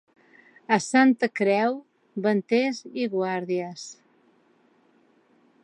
A Santa Creu, venters i guàrdies.